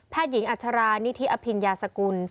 แพทย์หญิงอัจฉรานิทิอพิณธ์ยาสกุล